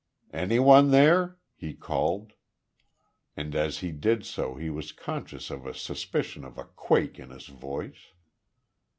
"Any one there?" he called, and as he did so he was conscious of a suspicion of a quake in his voice.